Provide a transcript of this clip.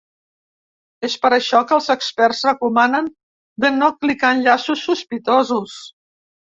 És per això que els experts recomanen de no clicar enllaços sospitosos.